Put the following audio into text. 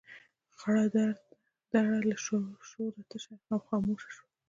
خړه دره له شوره تشه او خاموشه شوه.